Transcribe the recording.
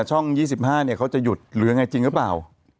ช่อง๒๕เขาจะหยุดหรือยังไงจริงหรือเปล่า